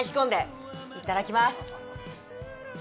いただきまーす。